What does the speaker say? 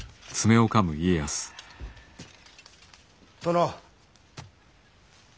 殿。